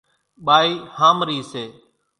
ٻائِي ۿامرِي سي۔